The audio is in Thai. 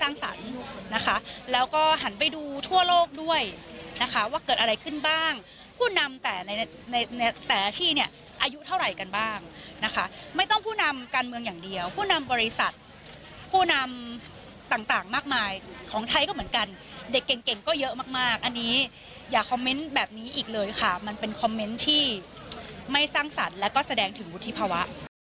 สร้างสรรค์นะคะแล้วก็หันไปดูทั่วโลกด้วยนะคะว่าเกิดอะไรขึ้นบ้างผู้นำแต่ในในแต่ละที่เนี่ยอายุเท่าไหร่กันบ้างนะคะไม่ต้องผู้นำการเมืองอย่างเดียวผู้นำบริษัทผู้นำต่างมากมายของไทยก็เหมือนกันเด็กเก่งเก่งก็เยอะมากมากอันนี้อย่าคอมเมนต์แบบนี้อีกเลยค่ะมันเป็นคอมเมนต์ที่ไม่สร้างสรรค์แล้วก็แสดงถึงวุฒิภาวะ